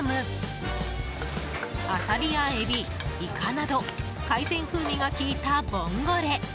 アサリやエビ、イカなど海鮮風味が効いたボンゴレ。